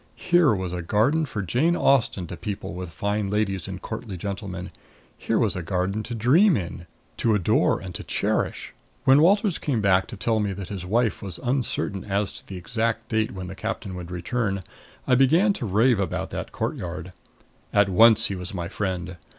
Here was a garden for Jane Austen to people with fine ladies and courtly gentlemen here was a garden to dream in, to adore and to cherish. When Walters came back to tell me that his wife was uncertain as to the exact date when the captain would return, I began to rave about that courtyard. At once he was my friend.